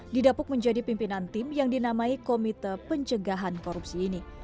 didapuk menjadi pimpinan tim yang dinamai komite pencegahan korupsi ini